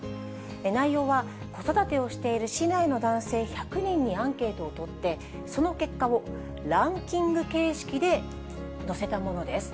内容は、子育てをしている市内の男性１００人にアンケートを取って、その結果をランキング形式で載せたものです。